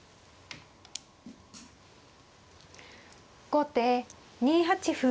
後手２八歩。